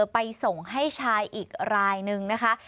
ไปส่งให้ชายอีกรายนึงนะคะ